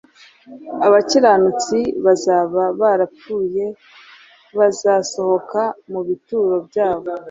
Abakiranutsi bazaba barapfuye bazasohoka mu bituro byabo